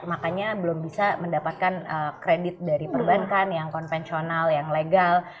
makanya belum bisa mendapatkan kredit dari perbankan yang konvensional yang legal